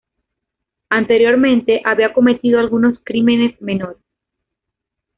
Anteriormente, había cometido algunos crímenes menores.